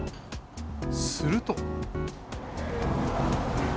すると。